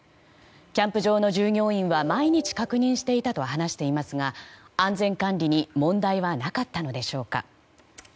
キャンプ場の従業員は毎日確認していたと話していますが安全管理に問題はなかったのでしょうか。